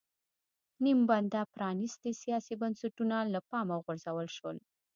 نیم بنده پرانېستي سیاسي بنسټونه له پامه وغورځول شول.